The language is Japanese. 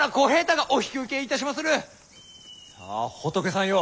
さあ仏さんよ